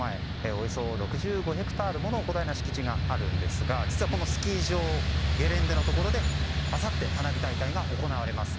およそ６５ヘクタールもの広大な敷地があるんですが実はこのスキー場ゲレンデのところであさって花火大会が行われます。